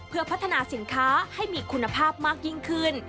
เพื่อพัฒนาสินค้าให้มีคุณภาพมากยิ่งขึ้น